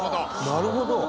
なるほど。